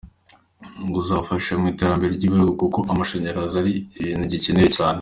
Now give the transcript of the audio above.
Ngo uzanafasha mu iterambere ry’igihugu kuko amashanyarazi ari ikintu gikenewe cyane.